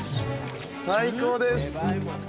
最高です